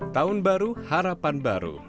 tahun baru harapan baru